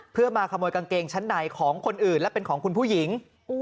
เพื่อมาขโมยกางเกงชั้นในของคนอื่นและเป็นของคุณผู้หญิง